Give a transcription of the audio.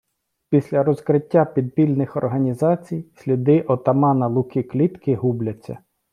Після розкриття підпільних організацій сліди отамана Луки Клітки губляться.